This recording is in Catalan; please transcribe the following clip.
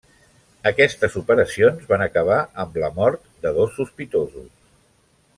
Aquestes operacions van acabar amb la mort de dos sospitosos.